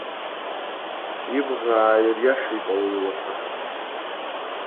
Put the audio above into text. Ибӷа ааириашеит ауаҩ ласаха.